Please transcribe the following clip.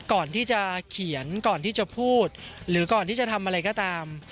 ก่อนที่จะเขียนก่อนที่จะพูดหรือก่อนที่จะทำอะไรก็ตาม